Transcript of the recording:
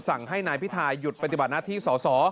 สั่งให้นายพิทาหยุดปฏิบัติหน้าที่สอสอ